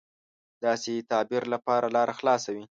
داسې تعبیر لپاره لاره خلاصه وي.